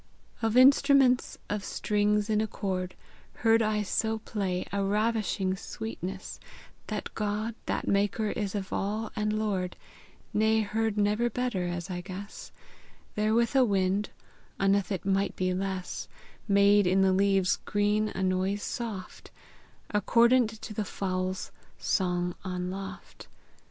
Of instruments of stringes in accorde, Heard I so play, a ravishing swetnesse, That God, that maker is of all and Lorde, Ne heard never better, as I gesse, Therewith a wind, unneth it might be lesse, Made in the leaves grene a noise soft, Accordant to the foules song on loft.